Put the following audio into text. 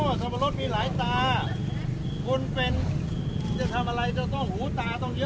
สับปะรดมีหลายตาคนเป็นจะทำอะไรจะต้องหูตาต้องเยอะ